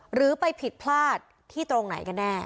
หรือไปผิดพลาดที่ตรงไหนกันแน่